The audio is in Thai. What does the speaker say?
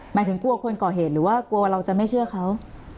หมายถึงกลัวคนก่อเหตุหรือว่ากลัวเราจะไม่เชื่อเขา